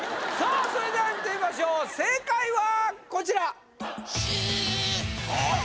それでは見てみましょう正解はこちらシッはあっ？